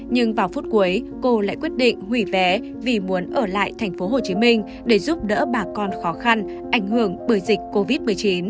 nhưng vào phút cuối cô lại quyết định hủy vé vì muốn ở lại tp hcm để giúp đỡ bà con khó khăn ảnh hưởng bởi dịch covid một mươi chín